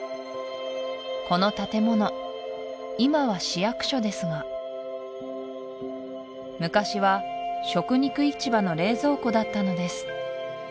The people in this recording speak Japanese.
この建物今は市役所ですが昔は食肉市場の冷蔵庫だったのです